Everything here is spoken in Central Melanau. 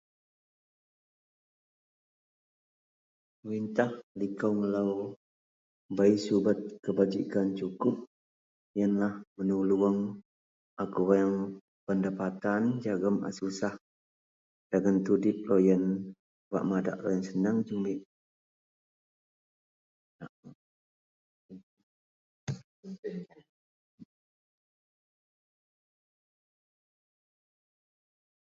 perintah liko melou bei subet kabajikan cukup, ienlah menulung a kurang pendapatan jegum a susah dagen tudip loyien bak madak loyien senang jumit